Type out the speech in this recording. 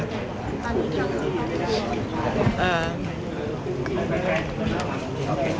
ตอนนี้คิดว่าคุณคงทำได้ไหมครับ